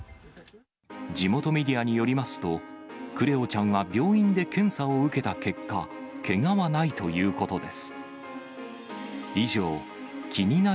地元メディアによりますと、クレオちゃんは病院で検査を受けた結果、けがはないということです。